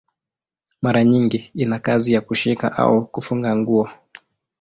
Mara nyingi ina kazi ya kushika au kufunga nguo.